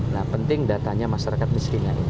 nah penting datanya masyarakat miskinan ini